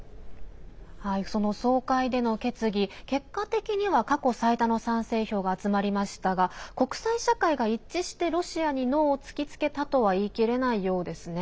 その総会での決議、結果的には過去最多の賛成票が集まりましたが国際社会が一致してロシアにノーを突きつけたとは言い切れないようですね。